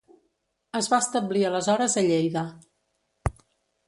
Es va establir aleshores a Lleida.